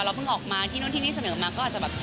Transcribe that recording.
เพิ่งออกมาที่นู่นที่นี่เสนอมาก็อาจจะแบบ